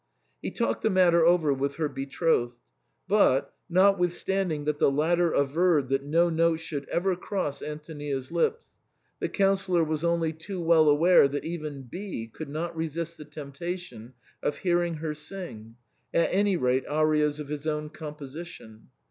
He talked the matter over with her betrothed ; but, notwithstanding that the lat ter averred that no note should ever cross Antonia's lips, the Councillor was only too well aware that even B could not resist the temptation of hearing her sing, at any rate arias of his own composition.